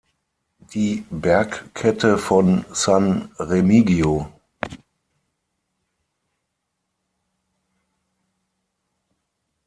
Die Bergkette von San Remigio.